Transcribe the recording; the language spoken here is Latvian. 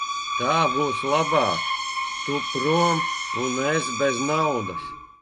Tā būs labāk; tu prom un es bez naudas.